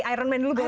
iron man dulu boleh